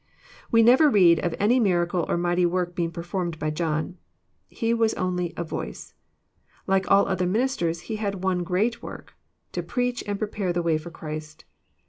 We never read of any miracle or mighty work being performed by John. He was only *' a voice." Like all other ministers, he had one great work, — to preach, and prepare the way for Christ.